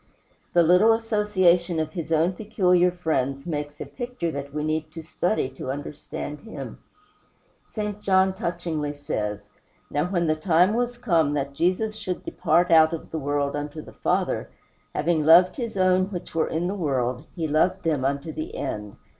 The little association of his own peculiar friends makes a picture that we need to study to understand him. St. John touchingly says: "Now when the time was come that Jesus should depart out of the world unto the Father, having loved his own which were in the world he loved them unto the end."